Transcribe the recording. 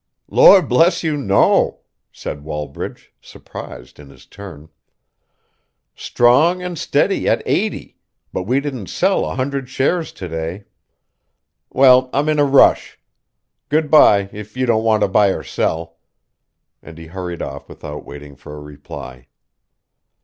"Lord bless you, no!" said Wallbridge, surprised in his turn. "Strong and steady at eighty, but we didn't sell a hundred shares to day. Well, I'm in a rush. Good by, if you don't want to buy or sell." And he hurried off without waiting for a reply.